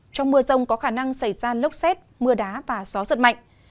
trong mưa rông có khả năng xảy ra lốc xét mưa đá và gió giật mạnh